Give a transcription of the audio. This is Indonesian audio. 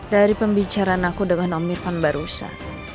dari pembicaraan aku dengan om irfan barusa